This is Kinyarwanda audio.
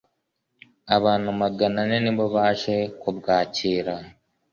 abantu maganane nibo baje kubwakira.